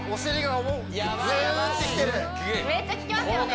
めっちゃききますよね